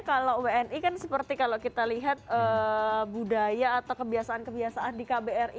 kalau wni kan seperti kalau kita lihat budaya atau kebiasaan kebiasaan di kbri